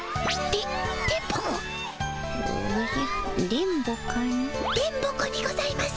電ボ子にございます。